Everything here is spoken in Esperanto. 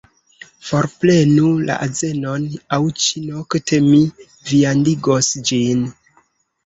"Forprenu la azenon, aŭ ĉi-nokte mi viandigos ĝin."